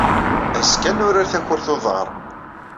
Azekka, ad nurar takurt n uḍar.